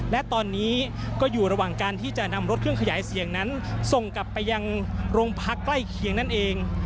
และตอนนี้ก็อยู่ระหว่างการที่จะนำรถเครื่องขยายเสียงนั้นส่งกลับไปยังโรงพักใกล้เคียงนั่นเอง